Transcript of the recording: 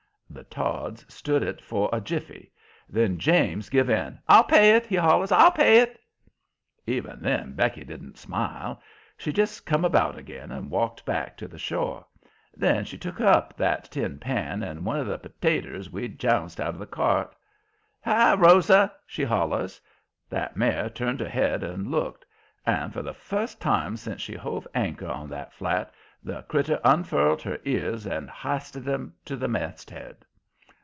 The Todds stood it for a jiffy. Then James give in. "I'll pay it!" he hollers. "I'll pay it!" Even then Becky didn't smile. She just come about again and walked back to the shore. Then she took up that tin pan and one of the potaters we'd jounced out of the cart. "Hi, Rosa!" she hollers. That mare turned her head and looked. And, for the first time sence she hove anchor on that flat, the critter unfurled her ears and histed 'em to the masthead.